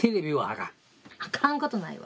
あかんことないよ。